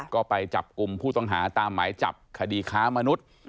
ก็ไปจับกลุ่มผู้ต้องหาตามหมายจับคดีค้ามนุษย์